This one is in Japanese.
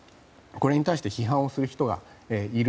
これに対して批判をする人もいる。